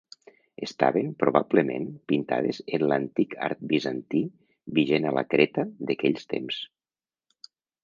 Estaven, probablement, pintades en l'antic art bizantí vigent a la Creta d'aquells temps.